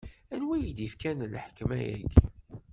Anwa i k-d-ifkan lḥekma-agi?